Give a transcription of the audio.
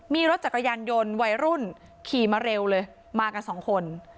มีรถจักรยานยนต์วัยรุ่นขี่มาเร็วเลยมากันสองคน